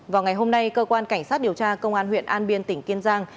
vào ngày hôm nay cơ quan cảnh sát điều tra công an huyện an biên tỉnh kiên giang